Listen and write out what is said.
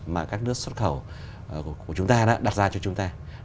mà các nước xuất khẩu của chúng ta đã đặt ra cho chúng ta